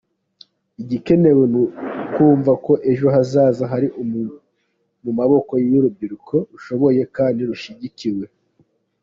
Igikenewe ni ukumva ko ejo hazaza hari mu maboko y’urubyiruko, rushoboye kandi rushyigikiwe.